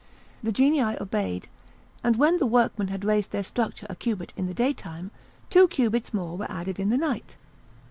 The genii obeyed, and when the workmen had raised their structure a cubit in the day time, two cubits more were added in the night.